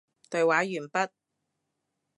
對話完畢